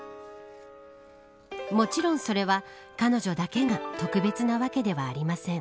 もちろん、それは彼女だけが特別なわけではありません。